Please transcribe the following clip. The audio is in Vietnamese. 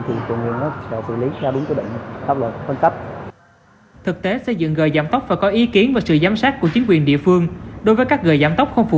thì quận huyện sẽ xử lý theo đúng quy định